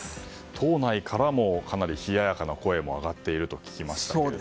党内からもかなり冷ややかな声も上がっていると聞きましたけれども。